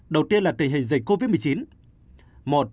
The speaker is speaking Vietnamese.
đầu tiên là tình hình dịch covid một mươi chín